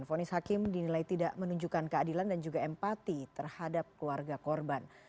fonis hakim dinilai tidak menunjukkan keadilan dan juga empati terhadap keluarga korban